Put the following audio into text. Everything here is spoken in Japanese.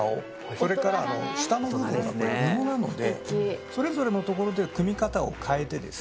それからあの下の部分がこれ布なのでそれぞれのところで組み方を変えてですね